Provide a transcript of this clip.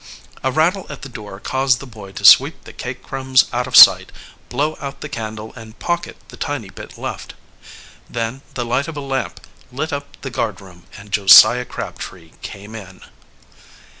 A rattle at the door caused the lad to sweep the cake crumbs out of sight, blow out the candle, and pocket the tiny bit left. Then the light of a lamp lit up the guardroom, and Josiah Crabtree came in.